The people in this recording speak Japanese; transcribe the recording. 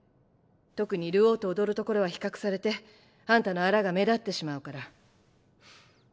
特に流鶯と踊るところは比較されてあんたの粗が目立ってしまうから。